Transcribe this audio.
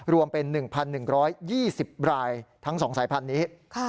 รวมเป็น๑๑๒๐รายทั้ง๒สายพันธุ์นี้